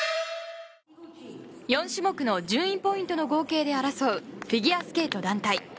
４種目の順位ポイントの合計で争うフィギュアスケート団体。